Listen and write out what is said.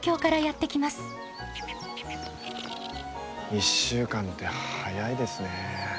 １週間って早いですね。